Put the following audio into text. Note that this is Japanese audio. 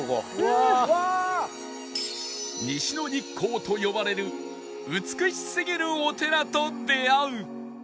西の日光と呼ばれる美しすぎるお寺と出会う